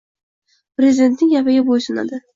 prezidentning gapiga bo‘ysunadi.